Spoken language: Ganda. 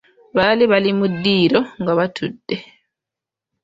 Baali bali mu ddiiro nga batudde.